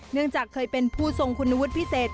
เนื่องจากเคยเป็นผู้ทรงคุณวุฒิพิเศษ